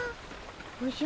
おじゃ？